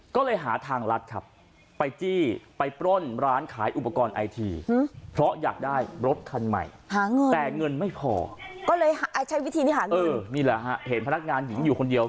ก็เลยใช้วิธีที่หาเงินเออนี่แหละฮะเห็นพนักงานหญิงอยู่คนเดียว